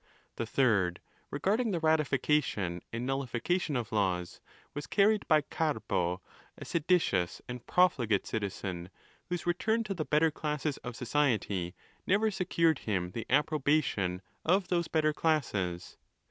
The third, regarding the ratification and nullification of laws, was carried by Carbo, a seditious and profligate citizen, whose return to the better classes of society never secured him the approba tion of those better classes.